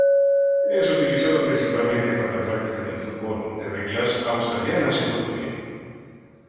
Es utilizado principalmente para la práctica del fútbol de reglas australianas y rugby.